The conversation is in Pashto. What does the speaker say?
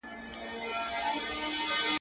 جهاني سجدې به یو سم د پلرونو ترمحرابه.